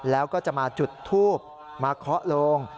แล้วก็จะมาจุดทูบมาเคาะโลง